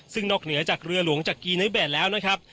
ซึ่งนอกเหนือจากเรือหลวงจากกีเนอร์แดดแล้วนะครับ